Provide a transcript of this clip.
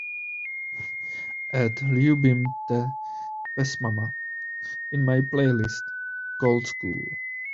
add Ljubim te pesmama in my playlist Gold School